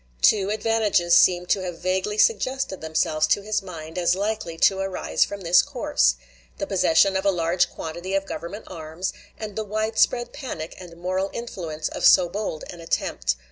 Two advantages seem to have vaguely suggested themselves to his mind as likely to arise from this course: the possession of a large quantity of Government arms, and the widespread panic and moral influence of so bold an attempt.